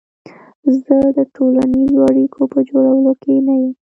زه د ټولنیزو اړیکو په جوړولو کې نه یم.